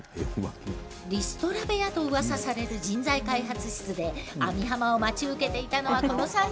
リストラ部屋とうわさされる人材開発室で網浜を待ち受けていたのはこの３人。